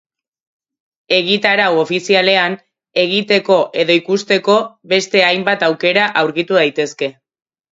Egitarau ofizialean egiteko edo ikusteko beste hainbat aukera aurkitu daitezke.